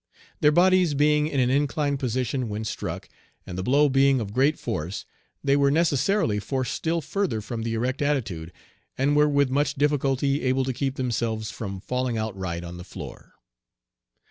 Their bodies being in an inclined position when struck, and the blow being of great force, they were necessarily forced still further from the erect attitude, and were with much difficulty able to keep themselves from falling outright on the floor.